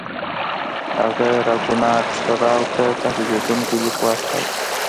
هغه راګونات راو ته تهدیدونکی لیک واستاوه.